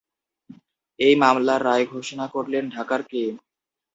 এই মামলার রায় ঘোষণা করলেন ঢাকার কে?